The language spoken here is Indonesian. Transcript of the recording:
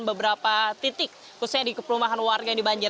beberapa titik khususnya dikepuluhan warga yang dibanjir